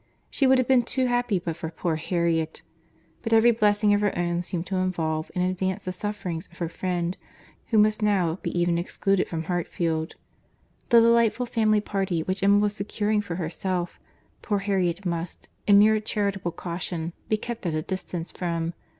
She would have been too happy but for poor Harriet; but every blessing of her own seemed to involve and advance the sufferings of her friend, who must now be even excluded from Hartfield. The delightful family party which Emma was securing for herself, poor Harriet must, in mere charitable caution, be kept at a distance from.